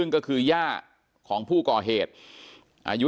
เป็นมีดปลายแหลมยาวประมาณ๑ฟุตนะฮะที่ใช้ก่อเหตุ